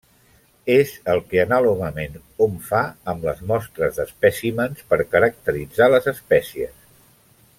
És el que anàlogament hom fa amb les mostres d'espècimens per caracteritzar les espècies.